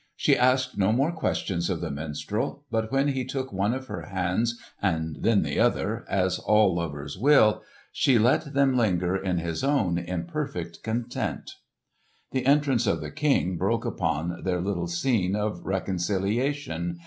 She asked no more questions of the minstrel, but when he took one of her hands and then the other, as all lovers will, she let them linger in his own in perfect content. The entrance of the King broke upon their little scene of reconciliation.